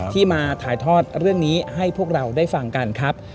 ที่มาถ่ายทอดเรื่องนี้ให้พวกเราได้ฟังกันครับ